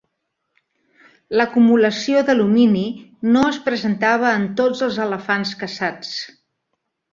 L'acumulació d'alumini no es presentava en tots els elefants caçats.